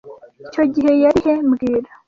Icyo gihe yari he mbwira